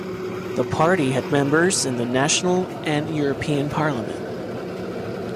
The party had members in the National and European Parliament.